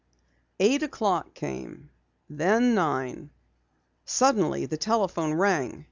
Eight o'clock came, then nine. Suddenly the telephone rang.